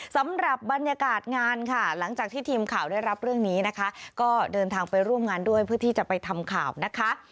สำหรับบรรยากาศงานค่ะหลังจากที่ทีมข่าวได้รับเรื่องนี้นะคะก็เดินทางไปร่วมงานด้วยเพื่อที่จะไปทำข่าวนะคะ